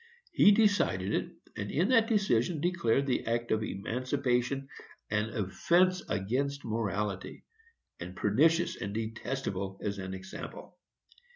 He decided it, and in that decision declared the act of emancipation an offence against morality, and pernicious and detestable as an example.